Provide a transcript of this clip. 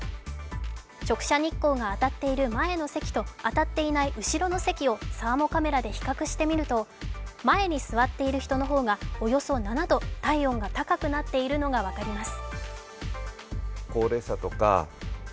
直射日光が当たっている前の席と当たっていない後ろの席をサーモカメラで比較してみると、前に座っている人の方が、およそ７度体温が高くなっているのが分かります。